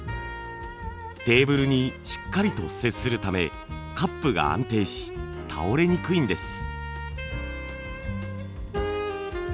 テーブルにしっかりと接するためカップが安定し倒れにくいんです。